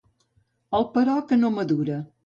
El però que no madura.